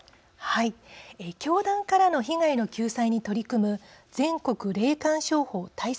教団からの被害の救済に取り組む全国霊感商法対策